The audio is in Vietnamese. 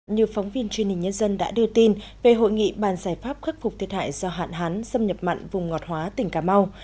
như phóng viên truyền hình nhân dân đã đưa tin về hội nghị bàn giải pháp khắc phục thiệt hại do hạn hán xâm nhập mặn vùng ngọt hóa tỉnh cà mau